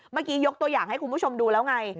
เมื่อกี้ยกตัวอย่างให้คุณผู้ชมดูแล้วไง